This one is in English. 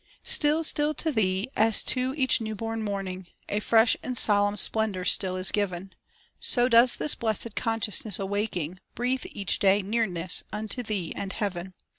Still, still to Thee, as to each new born morning, A fresh and solemn splendor still is giv'n, So does this blessed consciousness awaking, Breathe each day nearness unto Thee and heav'n.